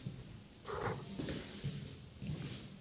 বিনিয়োগকারীদের সাথে কখন দেখা করা যাবে?